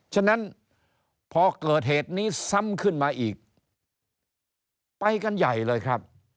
ฉะนั้นพอเกิดเหตุนี้ซ้ำขึ้นมาอีกไปกันใหญ่เลยครับ